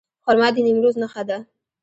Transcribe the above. خرما د نیمروز نښه ده.